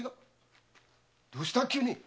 どうした急に？